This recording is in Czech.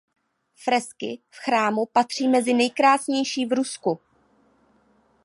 Fresky v chrámu patří mezi nejkrásnější v Rusku.